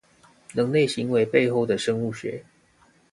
人類行為背後的生物學